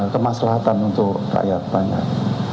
kemaslahatan untuk rakyat banyak